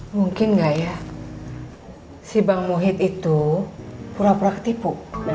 mungkin nggak ya si bang muhid itu pura pura ketipu